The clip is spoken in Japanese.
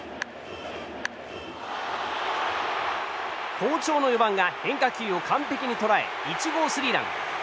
好調の４番が変化球を完璧に捉え１号スリーラン。